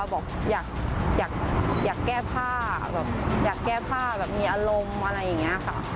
บอกอยากแก้ผ้าแบบอยากแก้ผ้าแบบมีอารมณ์อะไรอย่างนี้ค่ะ